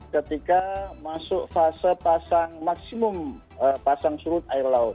ketika masuk fase pasang maksimum pasang surut air laut